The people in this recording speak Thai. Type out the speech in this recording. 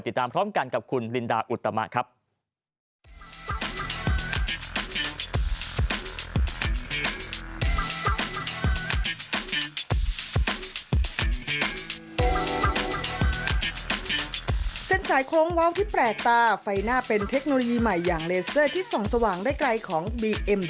ติดตามพร้อมกันกับคุณลินดาอุตมะครับ